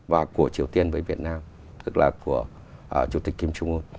và của triều tiên với việt nam tức là của chủ tịch kim trung ương